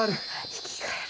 生き返る。